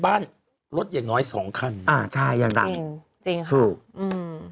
บ้านรถอย่างน้อยสองคันอ่าใช่อย่างหนักจริงจริงค่ะถูกอืม